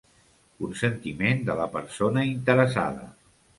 Consentiment de la persona interessada.